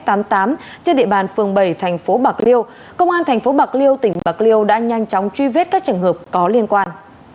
trên địa bàn phường bảy thành phố bạc liêu công an thành phố bạc liêu tỉnh bạc liêu đã nhanh chóng truy vết các trường hợp có liên quan